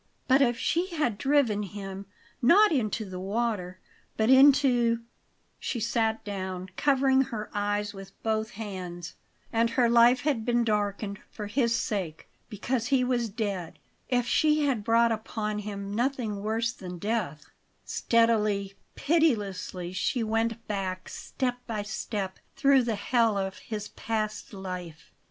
But if she had driven him, not into the water but into She sat down, covering her eyes with both hands. And her life had been darkened for his sake, because he was dead! If she had brought upon him nothing worse than death Steadily, pitilessly she went back, step by step, through the hell of his past life.